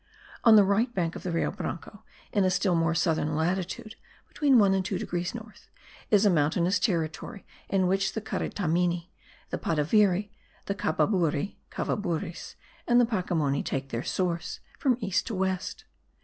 On the right bank of the Rio Branco, in a still more southern latitude (between 1 and 2 degrees north) is a mountainous territory in which the Caritamini, the Padaviri, the Cababuri (Cavaburis) and the Pacimoni take their source, from east to west.